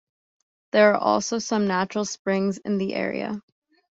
There are also some natural springs in the area.